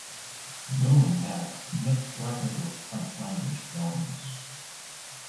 Newman had a mixed record with French-language films.